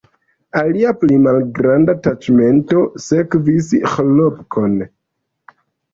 Alia pli malgranda taĉmento sekvis Ĥlopkon.